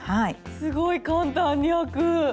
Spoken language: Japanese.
すごい簡単に開く！